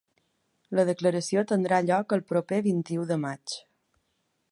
La declaració tindrà lloc el proper vint-i-u de maig.